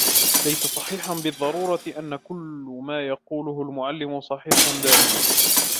ليس صحيحًا بالضرورة أن كل ما يقوله المعلم صحيح دائمًا.